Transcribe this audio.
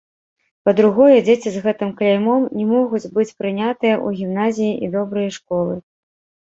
Па-другое, дзеці з гэтым кляймом не могуць быць прынятыя ў гімназіі і добрыя школы.